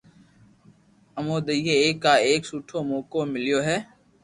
امو نيي ايڪ آ ايڪ سٺو موقو ميليو ھي